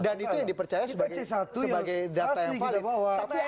dan itu yang dipercaya sebagai data yang valid